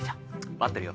待ってるよ。